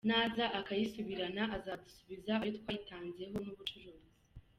Naza akayisubirana azadusubiza ayo twayitanzeho, ni ubucuruzi.